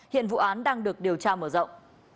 hiện vụ án đang được điều tra mở rộng